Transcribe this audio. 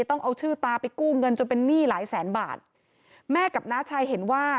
ต้องเอาชื่อตาไปกู้เงินจนเป็นหนี้หลายแสนบาทแม่กับน้าชายเห็นว่า